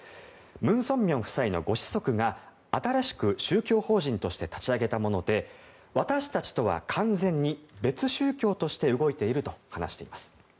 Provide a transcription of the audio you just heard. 文鮮明夫妻のご子息が新しく、宗教法人として立ち上げたもので私たちとは完全に別宗教として動いていると話しています。